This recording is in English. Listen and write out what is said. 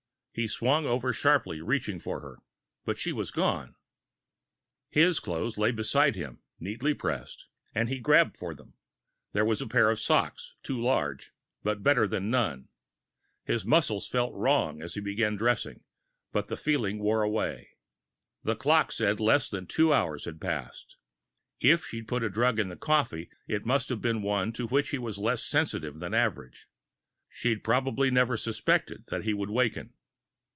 He swung over sharply, reaching for her, but she was gone. His clothes lay beside him, neatly pressed, and he grabbed for them. There was a pair of socks, too large, but better than none. His muscles felt wrong as he began dressing, but the feeling wore away. The clock said that less than two hours had passed. If she'd put a drug in the coffee, it must have been one to which he was less sensitive than the average. She'd probably never suspected that he would waken.